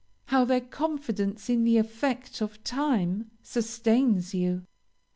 How their confidence in the effect of time sustains you!